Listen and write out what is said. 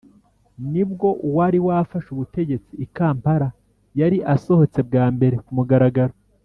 ni bwo uwari wafashe ubutegetsi i kampala yari asohotse bwa mbere ku mugaragaro.